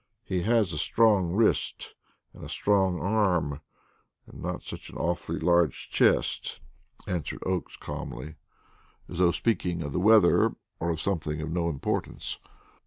"He has a strong wrist and a strong arm, and not such an awfully large chest," answered Oakes calmly, as though speaking of the weather or of something of no importance.